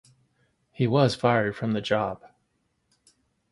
He was fired from the job.